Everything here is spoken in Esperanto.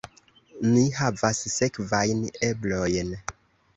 Ni havas sekvajn eblojn.